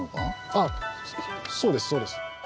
あっそうですそうです。